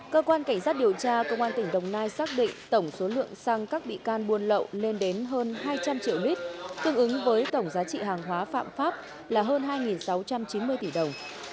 cơ quan cảnh sát điều tra công an tỉnh đồng nai xác định tổng số lượng xăng các bị can buôn lậu lên đến hơn hai trăm linh triệu lít tương ứng với tổng giá trị hàng hóa phạm pháp là hơn hai sáu trăm chín mươi tỷ đồng